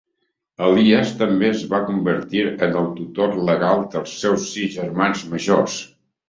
Elias també es va convertir en el tutor legal dels seus sis germans majors.